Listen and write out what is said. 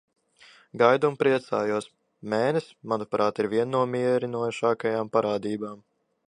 Gaidu un priecājos. Mēness, manuprāt, ir viena no mierinošākajām parādībām.